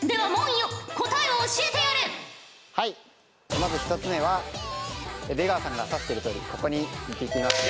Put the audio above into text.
まず１つ目は出川さんが指してるとおりここに１匹いますね。